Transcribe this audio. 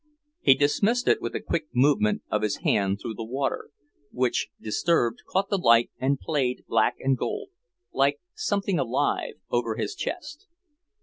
He dismissed it with a quick movement of his hand through the water, which, disturbed, caught the light and played black and gold, like something alive, over his chest.